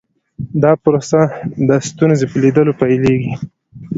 دا پروسه د ستونزې په لیدلو پیلیږي.